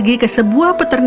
saya terus berap hypertension